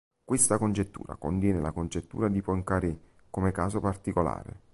Questa congettura contiene la congettura di Poincaré come caso particolare.